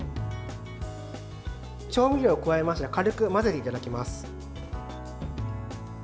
調味料を加えましたら軽く混ぜていただきます。